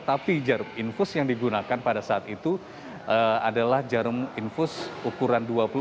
tapi jarum infus yang digunakan pada saat itu adalah jarum infus ukuran dua puluh lima